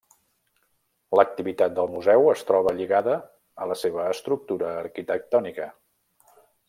L'activitat del museu es troba lligada a la seva estructura arquitectònica.